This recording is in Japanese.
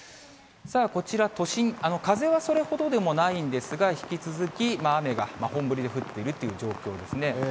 こちら、都心、風はそれほどでもないんですが、引き続き雨が本降りで降っているという状況ですね。